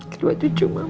kedua tujuh mama